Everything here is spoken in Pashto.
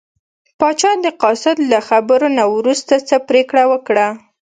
پاچا د قاصد له خبرو نه وروسته څه پرېکړه وکړه.